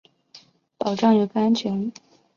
保障游客安全